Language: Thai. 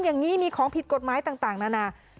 อย่างนี้มีของผิดกฎหมายต่างนานา